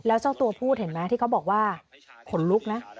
แล้วเจ้าตัวพูดเห็นไหมที่เขาบอกว่าขนลุกนะ